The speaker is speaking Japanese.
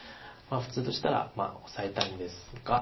普通でしたらオサえたいんですが。